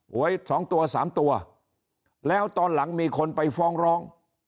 หวยสองตัวสามตัวแล้วตอนหลังมีคนไปฟ้องร้อง